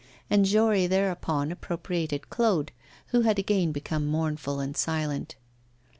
And Jory thereupon appropriated Claude, who had again become mournful and silent.